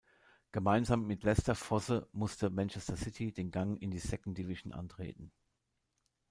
Gemeinsam mit Leicester Fosse musste Manchester City den Gang in die Second Division antreten.